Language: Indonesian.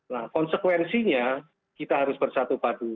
nah konsekuensinya kita harus bersatu padu